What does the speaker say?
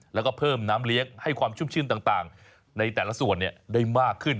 แล้วก็เพิ่มน้ำเลี้ยงให้ความชุ่มชื่นต่างในแต่ละส่วนได้มากขึ้น